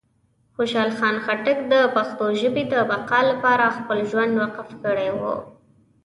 خوشحال خان خټک د پښتو ژبې د بقا لپاره خپل ژوند وقف کړی و.